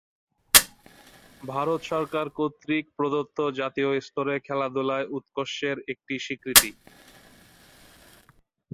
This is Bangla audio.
ভারত সরকার কর্তৃক প্রদত্ত জাতীয় স্তরে খেলাধুলায় উৎকর্ষের একটি স্বীকৃতি।